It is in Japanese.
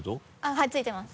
はいついてます。